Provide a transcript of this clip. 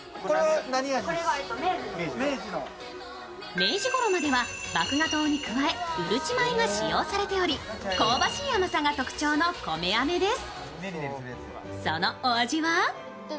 明治ごろまでは麦芽糖に加え、うるち米が使われており、香ばしい甘さが特徴の米あめです。